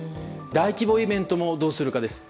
大規模イベントもどうするか。